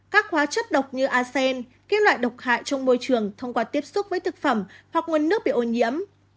các hóa chất độc như asen các loại độc hại trong môi trường thông qua tiếp xúc với thực phẩm hoặc nguồn nước bị ô nhiễm